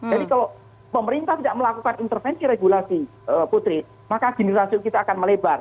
jadi kalau pemerintah tidak melakukan intervensi regulasi putri maka gini ratio kita akan melebar